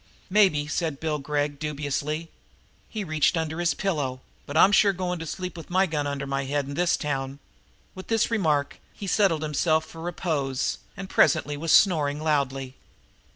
"Maybe," said Bill Gregg dubiously. He reached under his pillow. "But I'm sure going to sleep with a gun under my head in this town!" With this remark he settled himself for repose and presently was snoring loudly.